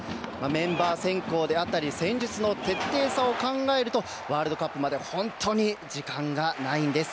メンバー選考であったり戦術の徹底さを考えるとワールドカップまで本当に時間がないんです。